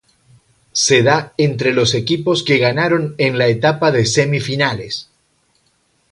Se da entre los equipos que ganaron en la etapa de semifinales.